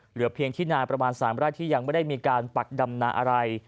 เหลือเพียงที่นาประมาณ๓ไร่ที่ยังไม่ได้มีการปักดำนาอะไร